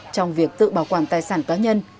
trong việc tự bỏ quản tài sản cá nhân